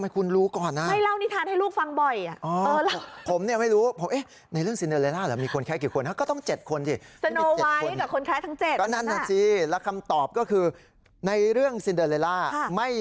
คุณเดี๋ยวก่อนซินเดอเรลล่ามันรองเท้าแก้ว